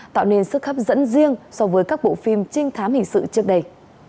tạo nên sức hấp dẫn riêng so với các bộ phim trinh thám hình sự trước đây